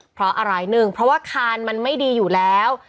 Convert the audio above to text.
เพราะอะไรหนึ่งเพราะว่าคานมันไม่ดีอยู่แล้ว